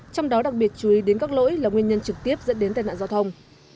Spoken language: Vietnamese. trong đó đặc biệt chú ý đến các lỗi là nguyên nhân trực tiếp dẫn đến tai nạn giao thông